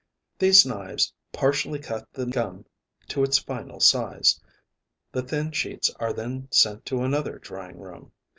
These knives partially cut the gum to its final size. The thin sheets are then sent to another drying room.